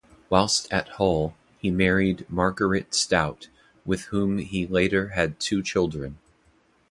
Whilst at Hull, he married Margaret Stout, with whom he later had two children.